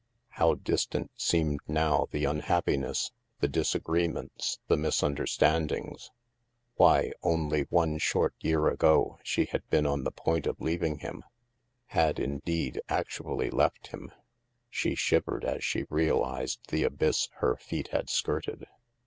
How distant seemed now the unhappi ness, the disagreements, the misunderstandings. Why, only one short year ago, she had been on the point of leaving him — had, indeed, actually left him. She shivered as she realized the abyss her feet had skirted.